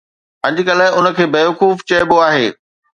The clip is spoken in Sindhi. اڄڪلهه ان کي ”بيوقوف“ چئبو آهي.